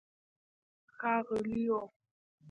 ښاغلیو